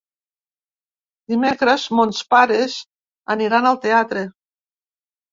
Dimecres mons pares aniran al teatre.